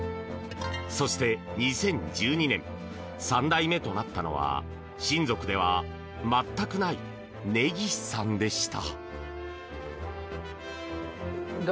そして２０１２年３代目となったのは親族では全くない根岸さんでした。